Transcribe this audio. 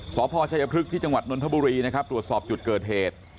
สพชัยพฤกษ์ที่จังหวัดนนทบุรีนะครับตรวจสอบจุดเกิดเหตุ